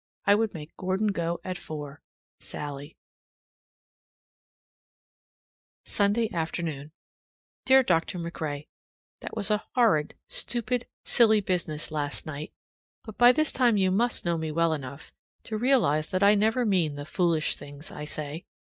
I would make Gordon go at four. SALLIE. Sunday afternoon. Dear Dr. MacRae: That was a horrid, stupid, silly business last night. But by this time you must know me well enough to realize that I never mean the foolish things I say.